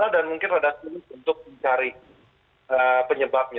dan mungkin ada sedikit untuk mencari penyebabnya